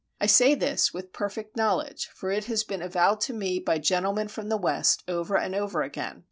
I say this with perfect knowledge, for it has been avowed to me by gentlemen from the West over and over again.